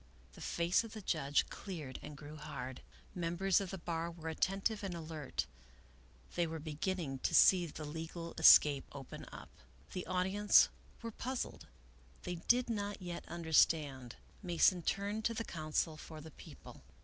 The face of the judge cleared and grew hard. The mem bers of the bar were attentive and alert; they were begin ning to see the legal escape open up. The audience were puzzled ; they did not yet understand. Mason turned to the counsel for the People.